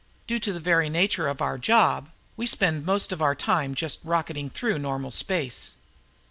Due to the very nature of our job, we spend most of our time just rocketing through normal space.